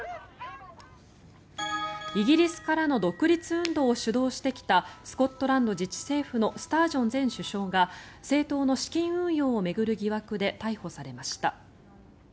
イギリスからの独立運動を主導してきたスコットランド自治政府のスタージョン前首相が政党の資金運用を巡る疑惑で逮捕されました。